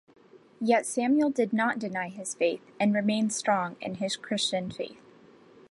Yet, Samuel did not deny his faith and remained strong in his Christian faith.